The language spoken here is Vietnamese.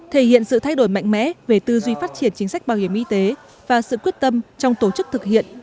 thể hiện sự thay đổi mạnh mẽ về tư duy phát triển chính sách bảo hiểm y tế và sự quyết tâm trong tổ chức thực hiện